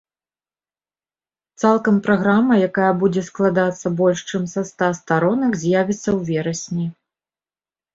Цалкам праграма, якая будзе складацца больш чым са ста старонак, з'явіцца ў верасні.